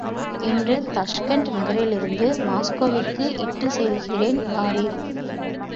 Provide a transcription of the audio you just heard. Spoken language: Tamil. இன்று தாஷ்கண்ட் நகரிலிருந்து, மாஸ்கோவிற்கு இட்டு செல்லுகிறேன், வாரீர்.